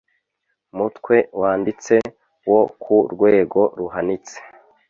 mutwe wanditse wo ku rwego ruhanitse